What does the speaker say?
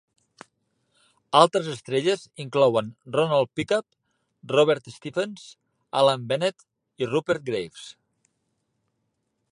Altres estrelles inclouen Ronald Pickup, Robert Stephens, Alan Bennett i Rupert Graves.